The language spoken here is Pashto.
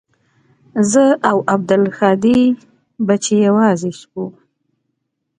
زه او عبدالهادي به چې يوازې سو.